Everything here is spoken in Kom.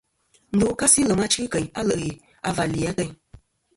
Ndu kasi lem achɨ keyn alè' ghè a và li lì ateyn.